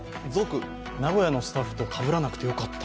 名古屋のスタッフとかぶらなくてよかった。